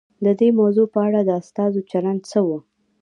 د دې موضوع په اړه د استازو چلند څه و؟